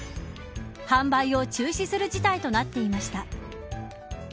販売を中止する事態となっていました。